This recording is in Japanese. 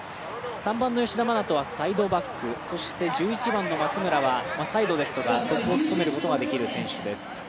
３番の吉田真那斗はサイドバックそして１１番の松村はサイドですとかトップを務めることができる選手です。